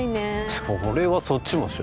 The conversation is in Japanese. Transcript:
それはそっちもでしょ